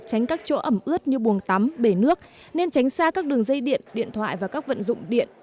tránh các chỗ ẩm ướt như buồng tắm bể nước nên tránh xa các đường dây điện điện thoại và các vận dụng điện